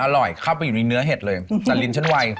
เข้าไปอยู่ในเนื้อเห็ดเลยแต่ลิ้นฉันไว